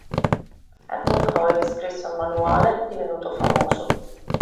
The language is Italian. Edmond Hoyle scrisse un manuale divenuto famoso.